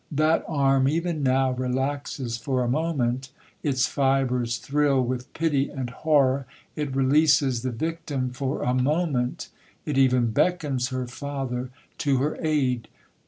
—That arm even now relaxes for a moment,—its fibres thrill with pity and horror,—it releases the victim for a moment,—it even beckons her father to her aid!